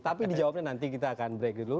tapi dijawabnya nanti kita akan break dulu